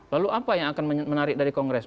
lalu apa yang akan menarik dari kongres